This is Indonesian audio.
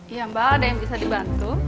iya mbak ada yang bisa dibantu